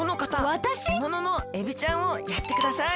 わたし？えもののエビちゃんをやってください。